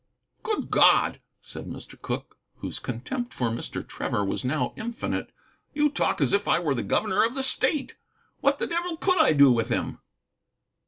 "Good God," said Mr. Cooke, whose contempt for Mr. Trevor was now infinite, "you talk as if I were the governor of the state. What the devil could I do with him?"